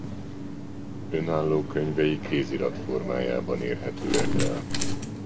Önálló könyvei kézirat formájában érhetőek el.